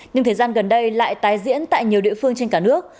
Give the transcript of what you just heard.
nhưng thời gian gần đây lại tái diễn tại nhiều địa phương trên cả nước